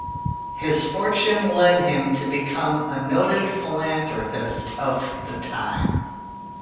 His fortune led him to become a noted philanthropist of the time.